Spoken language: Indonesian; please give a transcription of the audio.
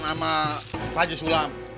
sama pak ji sulam